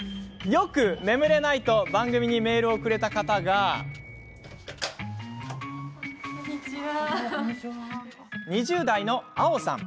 よく眠れないと番組にメールをくれた方が２０代のあおさん。